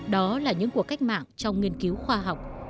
đó là những cuộc cách mạng trong nghiên cứu khoa học